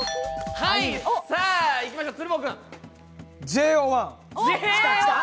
さあ、いきましょう。